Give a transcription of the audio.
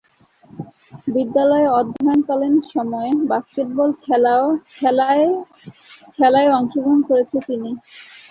বিদ্যালয়ে অধ্যয়নকালীন সময়ে বাস্কেটবল খেলায়ও অংশগ্রহণ করেছেন তিনি।